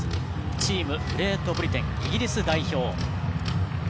チームグレートブリテンイギリス代表。